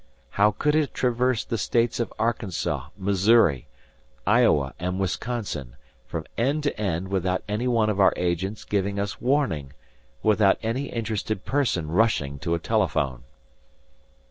How could it traverse the States of Arkansas, Missouri, Iowa and Wisconsin, from end to end without any one of our agents giving us warning, without any interested person rushing to a telephone?